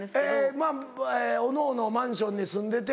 まぁおのおのマンションに住んでて？